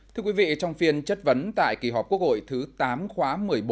thưa quý vị trong phiên chất vấn tại kỳ họp quốc hội thứ tám khóa một mươi bốn